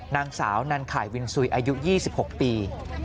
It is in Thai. นางสาวนันข่ายวินสุยอายุ๒๖ปี